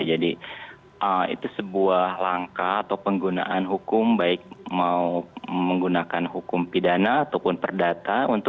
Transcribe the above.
jadi itu sebuah langkah atau penggunaan hukum baik mau menggunakan hukum pidana ataupun perdata